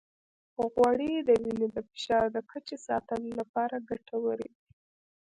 غوړې د وینې د فشار د کچې ساتلو لپاره ګټورې دي.